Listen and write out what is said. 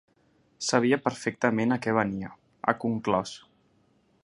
Sabia perfectament a què venia, ha conclòs.